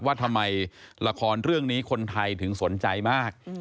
ว่าทำไมละครเรื่องนี้คนไทยถึงสนใจมาก